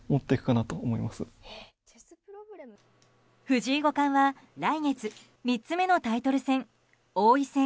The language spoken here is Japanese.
藤井五冠は来月３つ目のタイトル戦王位戦